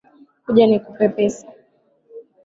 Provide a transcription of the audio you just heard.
Kuja nikupe pesa.